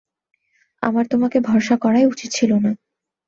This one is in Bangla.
আমার তোমাকে ভরসা করাই উচিৎ ছিল না।